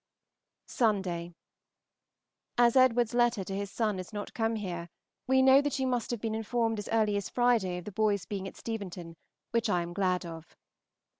Sunday. As Edward's letter to his son is not come here, we know that you must have been informed as early as Friday of the boys being at Steventon, which I am glad of.